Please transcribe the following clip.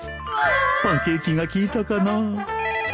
パンケーキが効いたかな